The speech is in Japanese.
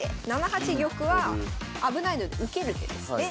７八玉は危ないので受ける手ですね。